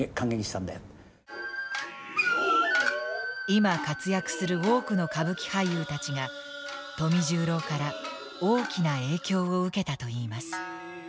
今活躍する多くの歌舞伎俳優たちが富十郎から大きな影響を受けたといいます。